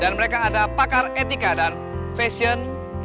dan mereka ada pakar etika dan fashion